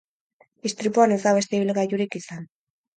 Istripuan ez da beste ibilgailurik izan.